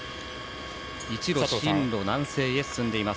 一路、進路は南西へ進んでいます。